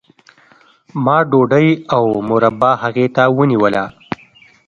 ما ډوډۍ او مربا هغې ته ونیوله